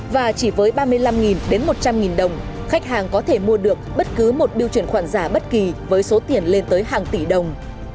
và chỉ với ba mươi năm một trăm linh đồng khách hàng có thể mua được bất cứ một biêu chuyển khoản giả bất kỳ với số tiền lên tới hàng tỷ đồng